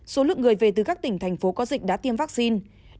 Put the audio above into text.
số lượng người về từ các tỉnh thành phố có dịch đã tiêm vaccine